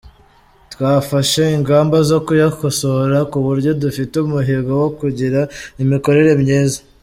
Twafashe ingamba zo kuyakosora ku buryo dufite umuhigo wo kugira imikorere myiza”.